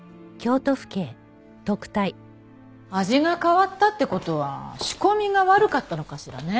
味が変わったって事は仕込みが悪かったのかしらね？